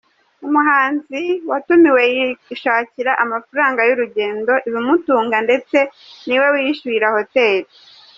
Umuhanzi watumiwe yishakira amafaranga y’urugendo, ibimutunga ndetse ni we wiyishyurira hoteli.